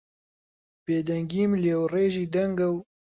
بێدەنگیم لێوڕێژی دەنگە و